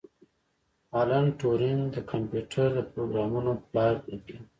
الن ټورینګ د کمپیوټر د پروګرامونې پلار ګڼل کیده